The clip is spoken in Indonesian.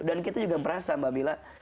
dan kita juga merasa mbak mila